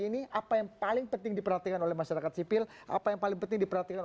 ini apa yang paling penting diperhatikan oleh masyarakat sipil apa yang paling penting diperhatikan